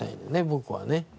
僕はね。